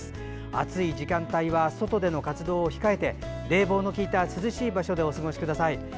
暑い時間帯は外での活動を控えて冷房の利いた涼しい場所でお過ごしください。